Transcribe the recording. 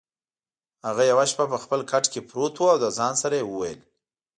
هغه یوه شپه په خپل کټ کې پرېوت او د ځان سره یې وویل: